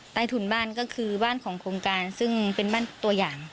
ใต้ถุนบ้านก็คือบ้านของโครงการซึ่งเป็นบ้านตัวอย่าง